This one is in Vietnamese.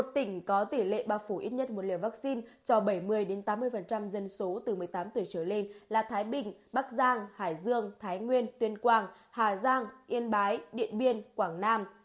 một mươi tỉnh có tỷ lệ bao phủ ít nhất một liều vaccine cho bảy mươi tám mươi dân số từ một mươi tám tuổi trở lên là thái bình bắc giang hải dương thái nguyên tuyên quang hà giang yên bái điện biên quảng nam